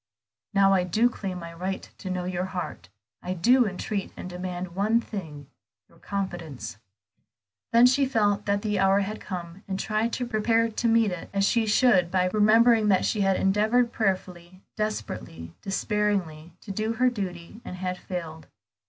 "Now I do claim my right to know your heart; I do entreat and demand one thing, your confidence." Then she felt that the hour had come, and tried to prepare to meet it as she should by remembering that she had endeavored prayerfully, desperately, despairingly, to do her duty, and had failed.